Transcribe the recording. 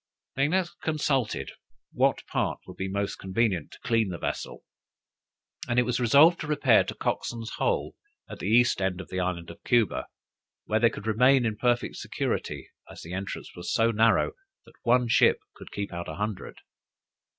They next consulted, what part would be most convenient to clean the vessel, and it was resolved to repair to Coxon's Hole, at the east end of the island of Cuba, where they could remain in perfect security, as the entrance was so narrow that one ship could keep out a hundred.